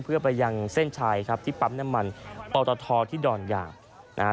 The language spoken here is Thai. เพื่อไปยังเส้นชัยครับที่ปั๊มน้ำมันปอตทที่ดอนยางนะฮะ